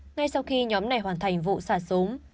ngay sau khi nhóm này hoàn thành vụ xả súng